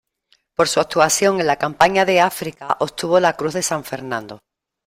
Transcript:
Por su actuación en la campaña de África, obtuvo la cruz de San Fernando.